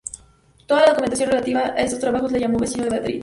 Toda la documentación relativa a estos trabajos le llama vecino de Madrid.